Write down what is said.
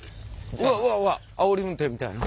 うわうわうわあおり運転みたいな。